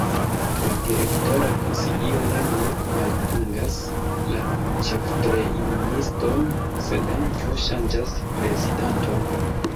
La direktora konsilio ne nur maldungas la ĉeftrejniston, sed ankaŭ ŝanĝas prezidanton.